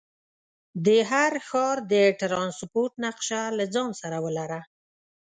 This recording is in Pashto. د هر ښار د ټرانسپورټ نقشه له ځان سره ولره.